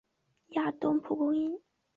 亚东蒲公英为菊科蒲公英属下的一个种。